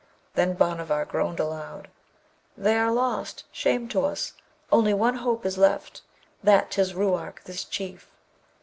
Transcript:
Then Bhanavar groaned aloud, 'They are lost! Shame to us! only one hope is left that 'tis Ruark, this Chief!'